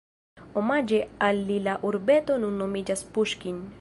Omaĝe al li la urbeto nun nomiĝas Puŝkin.